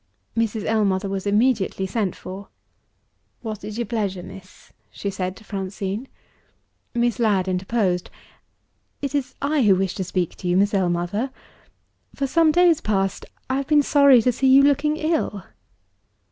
Mrs. Ellmother was immediately sent for. "What is your pleasure, miss?" she said to Francine. Miss Ladd interposed. "It is I who wish to speak to you, Mrs. Ellmother. For some days past, I have been sorry to see you looking ill."